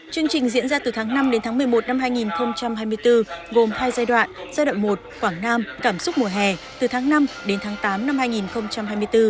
chương trình diễn ra từ tháng năm đến tháng một mươi một năm hai nghìn hai mươi bốn gồm hai giai đoạn giai đoạn một quảng nam cảm xúc mùa hè từ tháng năm đến tháng tám năm hai nghìn hai mươi bốn